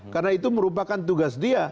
karena itu merupakan tugas dia